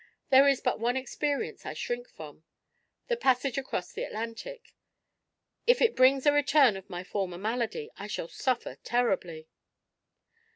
There is but one experience I shrink from: the passage across the Atlantic. If it brings a return of my former malady I shall suffer terribly."